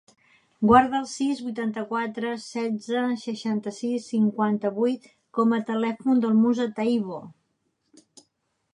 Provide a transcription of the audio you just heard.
Guarda el sis, vuitanta-quatre, setze, seixanta-sis, cinquanta-vuit com a telèfon del Musa Taibo.